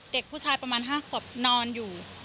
เด็กผู้ชายประมาณ๕ขวบนอนอยู่